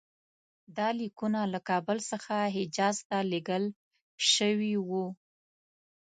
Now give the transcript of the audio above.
دا لیکونه له کابل څخه حجاز ته لېږل شوي وو.